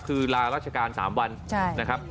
คือลาราชการ๓วันนะครับ